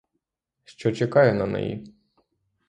Що чекає на неї?